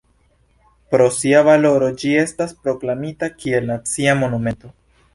Pro sia valoro ĝi estas proklamita kiel nacia monumento.